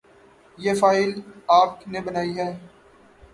یہ فائل آپ نے بنائی ہے ؟